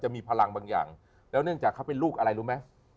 มีพลังบางอย่างแล้วเนื่องจากเขาเป็นลูกอะไรรู้ไหม